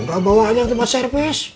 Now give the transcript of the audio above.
gak bawa aja ke tempat servis